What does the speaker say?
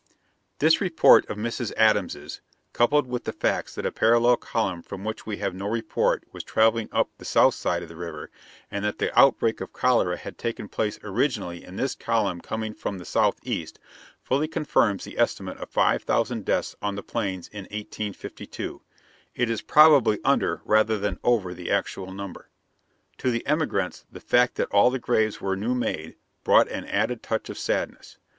This report of Mrs. Adams's, coupled with the facts that a parallel column from which we have no report was traveling up the south side of the river, and that the outbreak of cholera had taken place originally in this column coming from the southeast, fully confirms the estimate of five thousand deaths on the Plains in 1852. It is probably under rather than over the actual number. To the emigrants the fact that all the graves were new made brought an added touch of sadness.